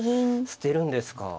捨てるんですか。